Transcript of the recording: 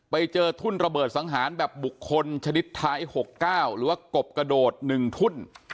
ไปเจอทุ่นระเบิดสังหารแบบบุคคลชนิดไทยหกเก้าหรือกบกระโดดหนึ่งทุ่น